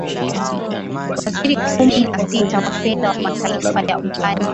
waziri kumi na sita wa fedha wa mataifa ya ulaya